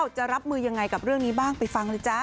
จะรับมือยังไงกับเรื่องนี้บ้างไปฟังเลยจ้า